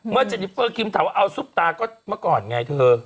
เจนิเฟอร์คิมถามว่าเอาซุปตาก็เมื่อก่อนไงเธอ